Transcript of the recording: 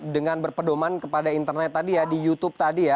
dengan berpedoman kepada internet tadi ya di youtube tadi ya